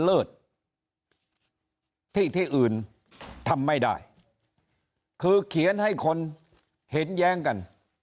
เลิศที่ที่อื่นทำไม่ได้คือเขียนให้คนเห็นแย้งกัน